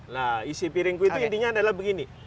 nah isi piringku itu intinya adalah begini